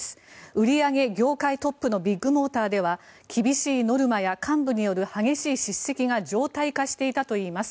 売上業界トップのビッグモーターでは厳しいノルマや幹部による激しい叱責が常態化していたといいます。